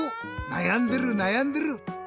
なやんでるなやんでる。